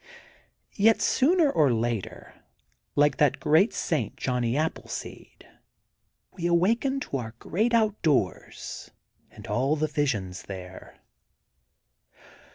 Yet sooner or later, like that great Isaint Johnny Appleseed, we awaken to our great outdoors, and all the visions there.